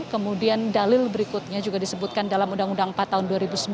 kemudian dalil berikutnya juga disebutkan dalam undang undang empat tahun dua ribu sembilan